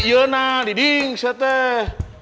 iya nah diding siap teh